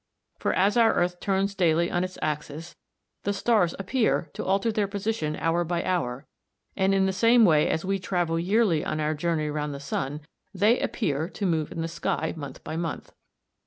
For as our earth turns daily on its axis, the stars appear to alter their position hour by hour, and in the same way as we travel yearly on our journey round the sun, they appear to move in the sky month by month.